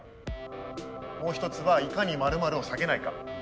もう一つはいかに○○を下げないか。